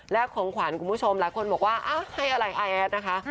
และของขวัญคุณผู้ชมหลายคนบอกว่าให้อะไรอาแอดนะคะ